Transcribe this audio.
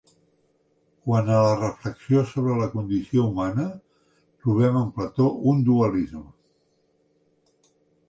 Quant a la reflexió sobre la condició humana, trobem en Plató un dualisme.